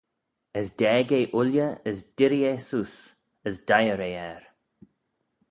As daag eh ooilley as dirree eh seose, as deiyr eh er.